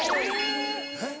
えっ？